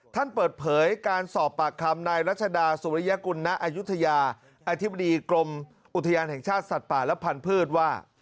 ท่านเปิดเผยการสอบปากคำนายรัชดาสุริยกุลณอายุทยาอธิบดีกรมอุทยานแห่งชาติสัตว์ป่าและพันธุ์ว่า